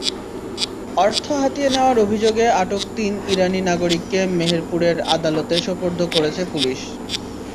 অর্থ হাতিয়ে নেওয়ার অভিযোগে আটক তিন ইরানি নাগরিককে মেহেরপুরের আদালতে সোপর্দ করেছে পুলিশ।